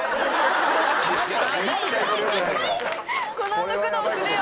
この後苦労するよ。